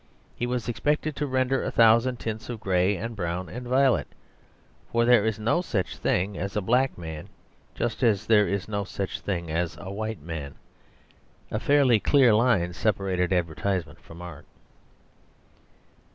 He was expected to render a thousand tints of grey and brown and violet: for there is no such thing as a black man just as there is no such thing as a white man. A fairly clear line separated advertisement from art.